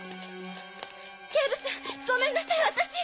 警部さんごめんなさい私。